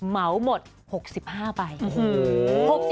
เหมาหมด๖๕ใบ